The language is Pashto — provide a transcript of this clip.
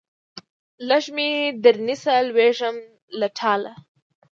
لږ مې درنیسئ لوېږم له ټاله